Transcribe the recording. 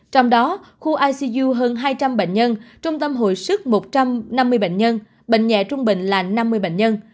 trong đó khu icu hơn hai trăm linh bệnh nhân trung tâm hồi sức một trăm năm mươi bệnh nhân bệnh nhẹ trung bình là năm mươi bệnh nhân